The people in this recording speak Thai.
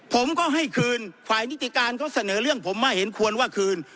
ผมก็ให้คืนฝ่ายนิติการเขาเสนอเรื่องผมว่าเห็นควรว่าคืน